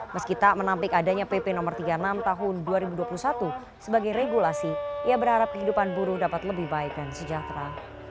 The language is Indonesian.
meski tak menampik adanya pp no tiga puluh enam tahun dua ribu dua puluh satu sebagai regulasi ia berharap kehidupan buruh dapat lebih baik dan sejahtera